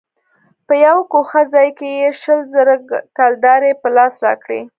په يوه گوښه ځاى کښې يې شل زره کلدارې په لاس راکړې.